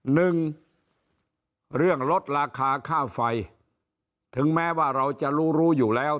หนึ่งเรื่องลดราคาค่าไฟถึงแม้ว่าเราจะรู้รู้อยู่แล้ว